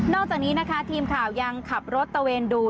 จากนี้นะคะทีมข่าวยังขับรถตะเวนดู